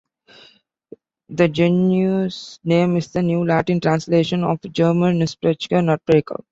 The genus name is a New Latin translation of German "Nussbrecher", "nut-breaker".